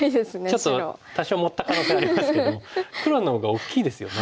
ちょっと多少盛った可能性ありますけども黒のほうが大きいですよね。